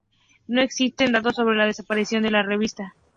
No existen datos sobre la desaparición de esa revista.